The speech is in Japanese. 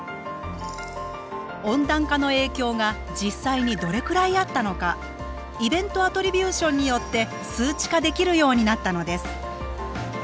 温暖化の影響が実際にどれくらいあったのかイベント・アトリビューションによって数値化できるようになったのです